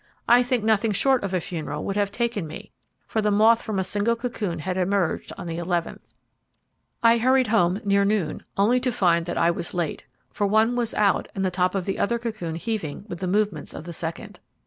I think nothing short of a funeral would have taken me, for the moth from a single cocoon had emerged on the eleventh. I hurried home near noon, only to find that I was late, for one was out, and the top of the other cocoon heaving with the movements of the second.